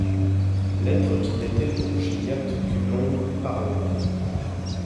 L’être qui n’était pour Gilliatt qu’une ombre parla.